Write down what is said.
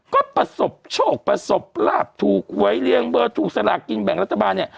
ก็ประสบโชคประสบราบถูกไว้เลี่ยงเบอร์ถูกสลากินแบ่งรัฐบาล